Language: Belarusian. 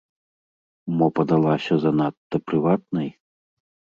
Мо падалася занадта прыватнай?